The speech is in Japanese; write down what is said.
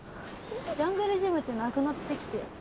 ジャングルジムってなくなってきたよね。